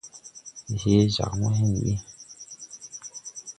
Ndi hee jag mo, hȩn ɓi.